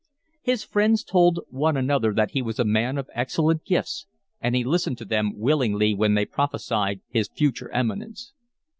His friends told one another that he was a man of excellent gifts, and he listened to them willingly when they prophesied his future eminence.